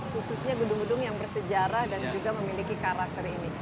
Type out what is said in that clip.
khususnya gedung gedung yang bersejarah dan juga memiliki karakter ini